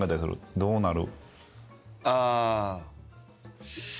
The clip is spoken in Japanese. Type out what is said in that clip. どうなる？